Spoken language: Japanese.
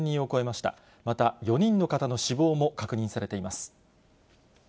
また、４人の方の死亡も確認されています。